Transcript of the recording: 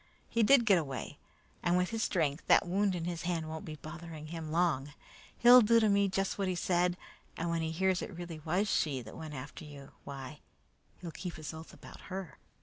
He did get away, and with his strength, that wound in his hand won't be bothering him long. He'll do to me just what he said, and when he hears it really was she that went after you, why, he'll keep his oath about her.